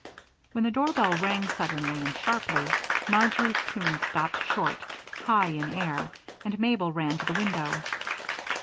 When the doorbell rang suddenly and sharply, Marjory's tune stopped short, high in air, and Mabel ran to the window.